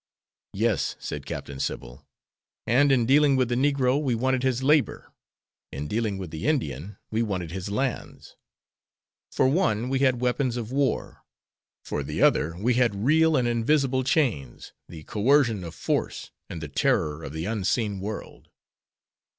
"Yes," said Captain Sybil, "and in dealing with the negro we wanted his labor; in dealing with the Indian we wanted his lands. For one we had weapons of war; for the other we had real and invisible chains, the coercion of force, and the terror of the unseen world."